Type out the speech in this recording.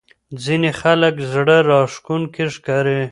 ځینې خلک زړه راښکونکي ښکاري.